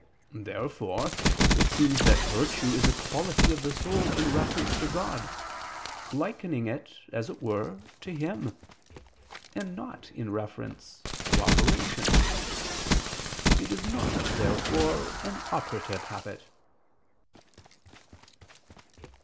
Therefore it seems that virtue is a quality of the soul in reference to God, likening it, as it were, to Him; and not in reference to operation. It is not, therefore, an operative habit.